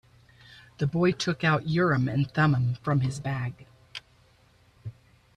The boy took out Urim and Thummim from his bag.